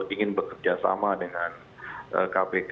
ingin bekerja sama dengan kpk